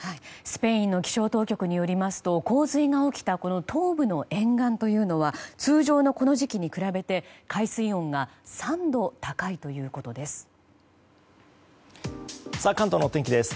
スペインの気象当局によりますと洪水が起きた東部の沿岸というのは通常のこの時期に比べて海水温が３度高いということです。